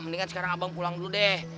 mendingan sekarang abang pulang dulu deh